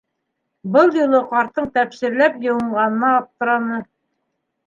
Был юлы ҡарттың тәпсирләп йыуынғанына аптыраны.